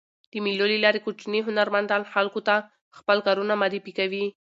د مېلو له لاري کوچني هنرمندان خلکو ته خپل کارونه معرفي کوي.